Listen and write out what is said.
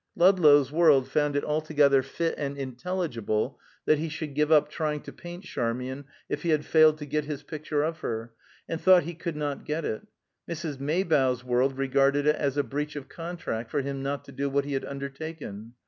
Ludlow's world found it altogether fit and intelligible that he should give up trying to paint Charmian if he had failed to get his picture of her, and thought he could not get it. Mrs. Maybough's world regarded it as a breach of contract for him not to do what he had undertaken.